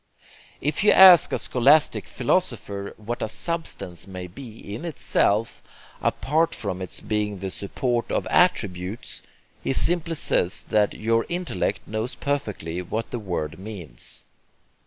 If you ask a scholastic philosopher what a substance may be in itself, apart from its being the support of attributes, he simply says that your intellect knows perfectly what the word means.